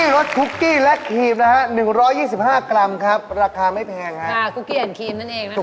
นี่คือคุกกี้รสคุกกี้และครีม